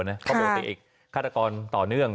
ครอบครัวตัวเอกฆาตกรต่อเนื่อง